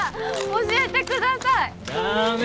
教えてください。だめ。